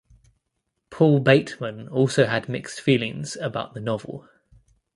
Paul Bateman also had mixed feelings about the novel.